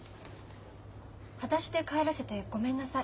「はだしで帰らせてごめんなさい」